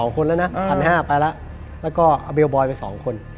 คนแล้วนะ๑๕๐๐ไปแล้วแล้วก็เอาเบลบอยไป๒คน